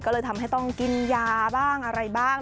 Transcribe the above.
ก็เลยทำให้ต้องกินยาบ้างอะไรบ้าง